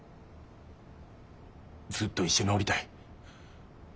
ずっと一緒におりたい。